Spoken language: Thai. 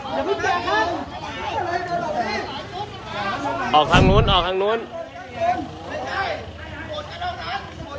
ออกทางนู้นออกทางนู้น